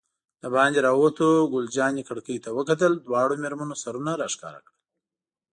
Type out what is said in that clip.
دباندې راووتو، ګل جانې کړکۍ ته وکتل، دواړو مېرمنو سرونه را ښکاره کړل.